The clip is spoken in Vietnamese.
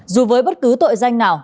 dù với bất cứ tội danh nào